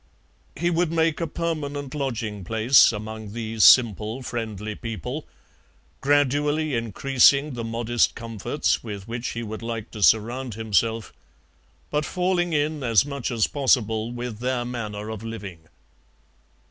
He would make a permanent lodging place among these simple friendly people, gradually increasing the modest comforts with which he would like to surround himself, but falling in as much as possible with their manner of living.